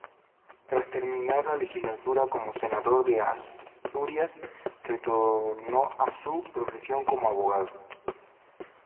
Tras terminar la legislatura como senador por Asturias, retornó a su profesión como abogado.